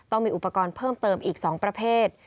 ต้องมีอุปกรณ์เพิ่มเติมอีก๒ประเภท